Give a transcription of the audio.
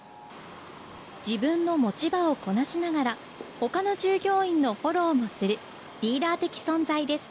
自分の持ち場をこなしながら他の従業員のフォローもするリーダー的存在です。